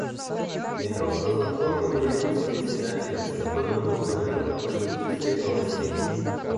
Метров познакомил Левина с председателем, с которым он говорил о политической новости.